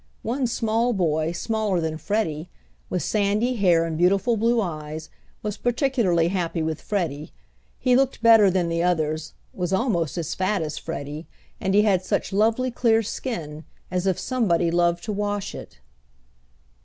One small boy, smaller than Freddie, with sandy hair and beautiful blue eyes, was particularly happy with Freddie. He looked better than the others, was almost as fat as Freddie, and he had such lovely clear skin, as if somebody loved to wash it.